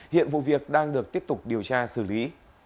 hiện vụ việc đang được tiếp tục điều tra xử lý